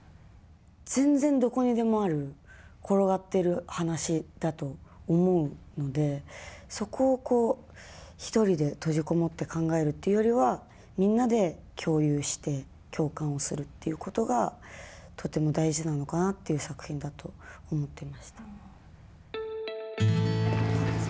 全然どこにでもある、転がっている話だと思うんで、そこをこう、一人で閉じこもって考えるっていうよりは、みんなで共有して、共感をするってことが、とても大事なのかなっていう作品だと思ってました。